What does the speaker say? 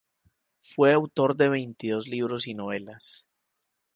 Fue autor de veintidós libros y novelas.